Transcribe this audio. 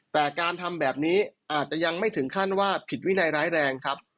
แต่การทำแบบนี้อาจจะยังไม่ถึงขั้นว่าผิดวินัยร้ายแรงครับ